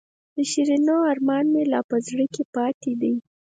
د شیرینو ارمان مې لا په زړه کې پاتې دی.